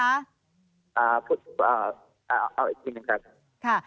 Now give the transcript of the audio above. เอาอีกสิ่งหนึ่งคะ